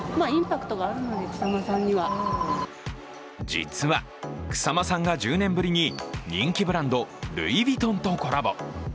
実は草間さんが１０年ぶりに人気ブランドルイ・ヴィトンとコラボ。